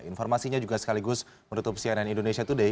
informasinya juga sekaligus menutup cnn indonesia today